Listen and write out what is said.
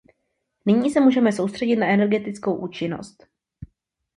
Nyní se můžeme soustředit na energetickou účinnost.